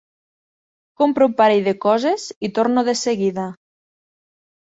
Compro un parell de coses i torno de seguida.